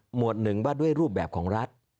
วดหนึ่งว่าด้วยรูปแบบของรัฐ